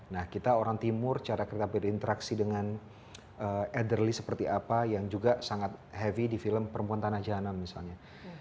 nah kita orang timur cara kita berinteraksi dengan etherly seperti apa yang juga sangat heavy di film perempuan tanah jahanam misalnya